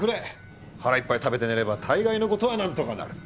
「腹いっぱい食べて寝れば大概の事はなんとかなる」。